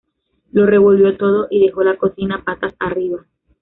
Lo revolvió todo y dejó la cocina patas arriba